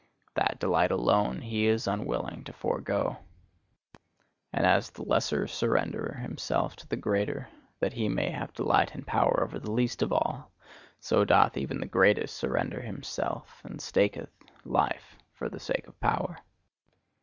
That delight alone he is unwilling to forego. And as the lesser surrendereth himself to the greater that he may have delight and power over the least of all, so doth even the greatest surrender himself, and staketh life, for the sake of power.